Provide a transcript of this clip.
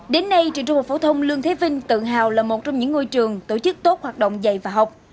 đến nay trường trung học phổ thông lương thế vinh tự hào là một trong những ngôi trường tổ chức tốt hoạt động dạy và học